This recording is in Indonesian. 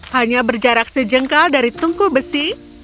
hanya berjarak sejengkal dari tungku besi